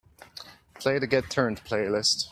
Play the Get Turnt playlist.